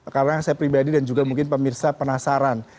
karena saya pribadi dan juga mungkin pemirsa penasaran